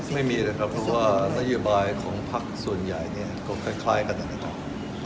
ไม่มีนะครับเพราะว่านโยบายของพักส่วนใหญ่เนี่ยก็คล้ายกันนะครับ